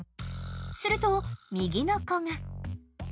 すると右の子が。